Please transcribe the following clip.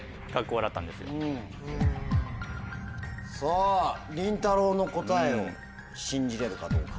さぁりんたろうの答えを信じれるかどうか。